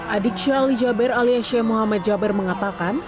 adik syahli jabir alias syekh muhammad jabir mengatakan